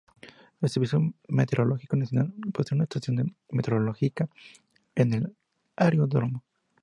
El Servicio Meteorológico Nacional posee una estación meteorológica en el aeródromo.